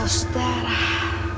aku haus darah